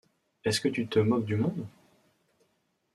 Est-ce que tu te moques du monde ?